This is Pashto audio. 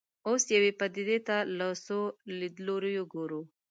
اوس یوې پدیدې ته له څو لیدلوریو ګورو.